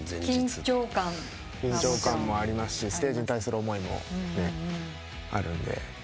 緊張感もありますしステージに対する思いもあるんで。